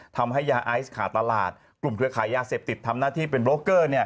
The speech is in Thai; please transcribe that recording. ทำให้ยาไอซ์ขาดตลาดกลุ่มเครือขายยาเสพติดทำหน้าที่เป็นโบรกเกอร์